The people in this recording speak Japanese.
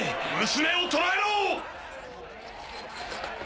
娘を捕らえろ！